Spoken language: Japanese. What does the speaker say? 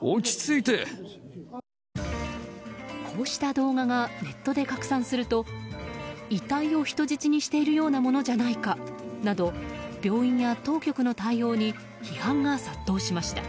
こうした動画がネットで拡散すると遺体を人質にしているようなものじゃないかなど病院や当局の対応に批判が殺到しました。